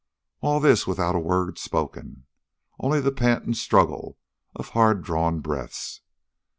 All this without a word spoken, only the pant and struggle of hard drawn breaths.